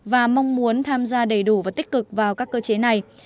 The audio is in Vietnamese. và mong muốn tham gia đầy đủ và tích cực vào các cơ chế này